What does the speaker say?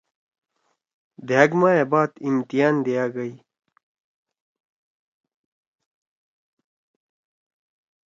دھأک ماہ ئے بعد امتحان دیا گئی